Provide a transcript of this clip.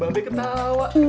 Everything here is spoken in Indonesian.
dia yang ngomong dia waktu biru